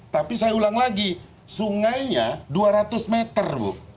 tapi saya ulang lagi sungainya dua ratus meter bu